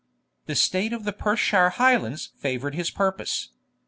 The state of the Perthshire Highlands favoured his purpose.